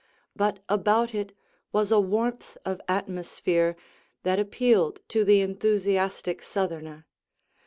But about it was a warmth of atmosphere that appealed to the enthusiastic Southerner.